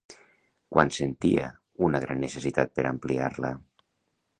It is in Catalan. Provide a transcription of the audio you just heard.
Quan sentia una gran necessitat per ampliar-la?